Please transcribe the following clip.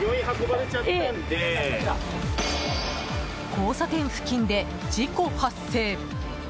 交差点付近で事故発生。